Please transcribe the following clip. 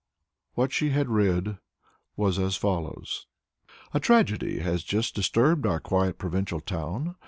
What she had read was as follows: "A tragedy has just disturbed our quiet provincial town.